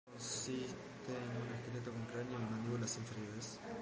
Consiste en un esqueleto con cráneo y mandíbulas inferiores.